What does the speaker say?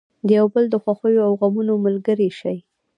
د یو بل د خوښیو او غمونو ملګري شئ.